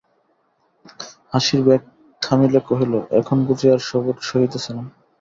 হাসির বেগ থামিলে কহিল, এখন বুঝি আর সবুর সহিতেছে না?